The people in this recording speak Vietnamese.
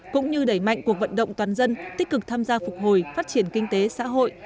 cũng như đẩy mạnh cuộc vận động toàn dân tích cực tham gia phục hồi phát triển kinh tế xã hội